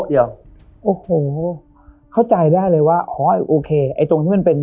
เดี๋ยวโอ้โหเข้าใจได้เลยว่าอ๋อโอเคไอ้ตรงที่มันเป็น